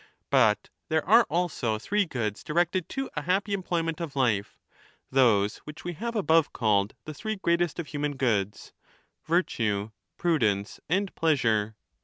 But there are also three goods directed to a happy employment of life, those which we have above ^ called the three greatest of human goods, virtue, prudence, and pleasure.